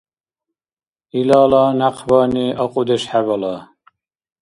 Илала някъбани акьудеш хӀебала.